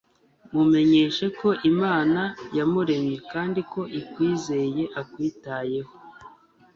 mumenyeshe ko imana yamuremye, kandi ko ikwizeye akwitayeho